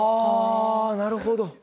あなるほど！